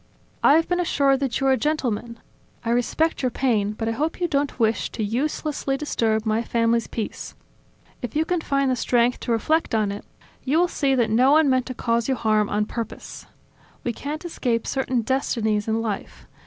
I have been assured that you are a gentleman. I respect your pain, but I hope you don't wish to uselessly disturb my family's peace. If you can find the strength to reflect on it, you will see that no one meant to cause you harm on purpose. We can't escape certain destinies in life.